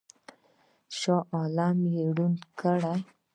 شاه عالم یې ړوند کړ.